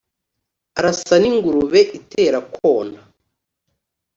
Arasa n'ingurube itera kwona.